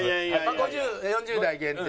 ５０４０代限定。